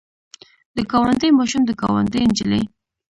د ګاونډي ماشوم د ګاونډۍ نجلۍ.